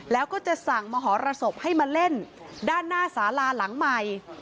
แล้วก็จะสั่งมหรสบให้มาเล่นด้านหน้าสาลาหลังใหม่